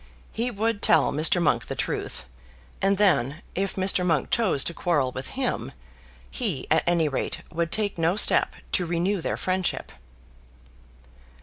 He would tell Mr. Monk the truth, and then, if Mr. Monk chose to quarrel with him, he at any rate would take no step to renew their friendship.